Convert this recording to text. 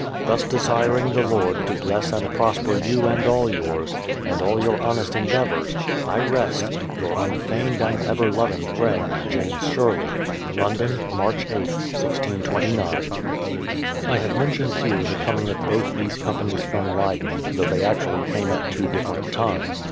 ... Thus desiring the Lord to bless and prosper you and all yours, and all our honest endeavours, I rest. Your unfeigned and ever loving friend, London, March Sth, 1629. JAMES SHERLEY, THE PLYINIOUTH SETTLEMENT 203 I have mentioned here the coming of both these com panies from Leyden, though they actually came at two different times.